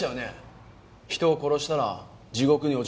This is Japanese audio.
人を殺したら地獄に落ちるかしらって。